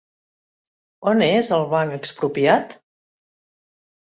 On és el Banc Expropiat?